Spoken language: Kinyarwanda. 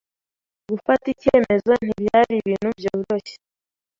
gufata icyemezo ntibyari ibintu byoroshye